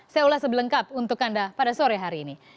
saya ulas sebelengkap untuk anda pada sore hari ini